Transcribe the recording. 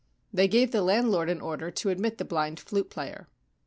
They gave the landlord an order to admit the blind flute player.